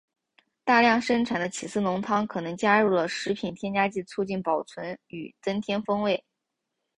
大量生产的起司浓汤可能加入了食品添加物促进保存与增添风味。